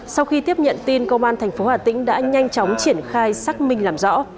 sau khi tiếp nhận tin công an tp hà tĩnh đã nhanh chóng triển khai xác minh làm rõ